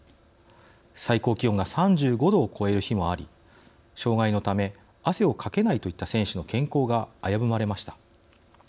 最高気温が３５度を超える日もあり障害のため汗をかけないといった選手の健康が危ぶまれました。